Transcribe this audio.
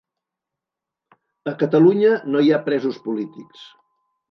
A Catalunya no hi ha presos polítics